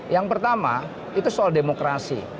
yang pertama itu soal demokrasi